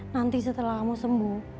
nanti setelah kamu sembuh